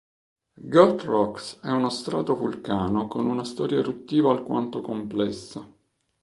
Goat Rocks è uno stratovulcano con una storia eruttiva alquanto complessa.